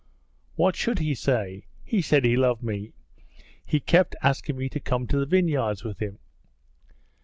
'What should he say? He said he loved me. He kept asking me to come to the vineyards with him.'